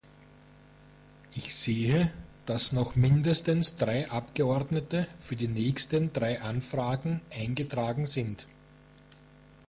Ich sehe, dass noch mindestens drei Abgeordnete für die nächsten drei Anfragen eingetragen sind.